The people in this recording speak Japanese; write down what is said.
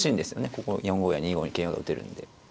ここ４五や２五に桂馬が打てるんで。